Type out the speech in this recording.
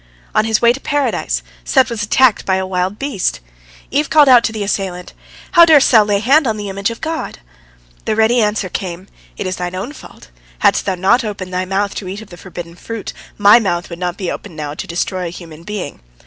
On his way to Paradise, Seth was attacked by a wild beast. Eve called out to the assailant, "How durst thou lay hand on the image of God?" The ready answer came: "It is thine own fault. Hadst thou not opened thy mouth to eat of the forbidden fruit, my mouth would not be opened now to destroy a human being."